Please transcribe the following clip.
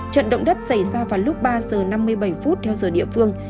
trận động đất xảy ra vào lúc ba giờ năm mươi bảy phút theo giờ địa phương